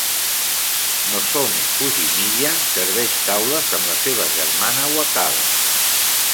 Nozomi Fujimiya serveix taules amb la seva germana Wakaba.